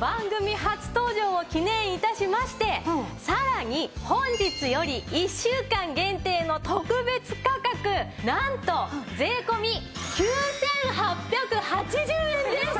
番組初登場を記念致しましてさらに本日より１週間限定の特別価格なんと税込９８８０円です。